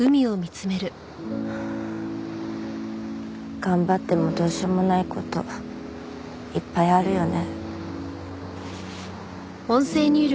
頑張ってもどうしようもない事いっぱいあるよね。